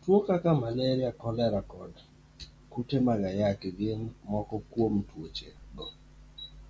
Tuwo kaka malaria, kolera, kod kute mag ayaki, gin moko kuom tuochego.